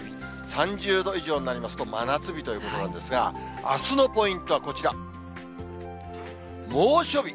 ３０度以上になりますと、真夏日ということなんですが、あすのポイントはこちら。